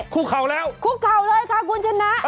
คุกเข่าแล้วคุกเข่าเลยค่ะคุณชนะ